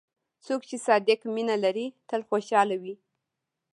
څوک چې صادق مینه لري، تل خوشحال وي.